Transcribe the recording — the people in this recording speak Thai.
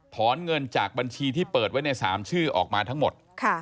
เงินจากบัญชีที่เปิดไว้ใน๓ชื่อออกมาทั้งหมด